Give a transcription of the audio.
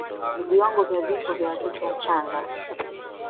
viwango vya vifo vya watoto wachanga